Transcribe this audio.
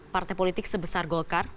partai politik sebesar golkar